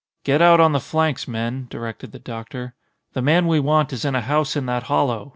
"Get out on the flanks, men," directed the doctor. "The man we want is in a house in that hollow.